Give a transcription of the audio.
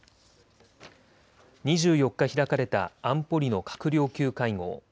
２４日開かれた安保理の閣僚級会合。